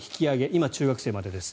今、中学生までです。